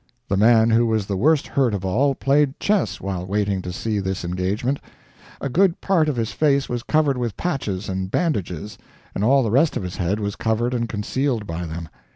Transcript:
The man who was the worst hurt of all played chess while waiting to see this engagement. A good part of his face was covered with patches and bandages, and all the rest of his head was covered and concealed by them.